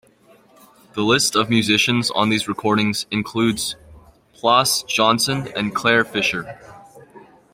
The list of musicians on these recordings includes Plas Johnson and Clare Fischer.